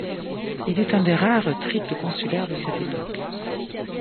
Il est un des rares triple consulaire de cette époque.